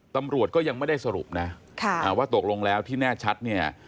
ตำรวจก็ยังไม่ได้สรุปนะว่าตกลงแล้วที่แน่ชัดเนี่ย